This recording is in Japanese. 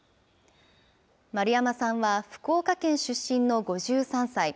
丸山さんは福岡県出身の５３歳。